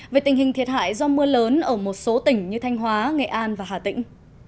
về tình hình thiệt hại do mưa lớn ở một số tỉnh như thanh hóa nghệ an và hà tĩnh